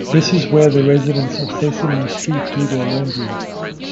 This is where the residents of Sesame Street do their laundry.